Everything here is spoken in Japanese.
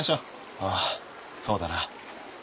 ああそうだな。